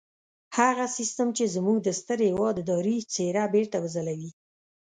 هغه سيستم چې زموږ د ستر هېواد اداري څېره بېرته وځلوي.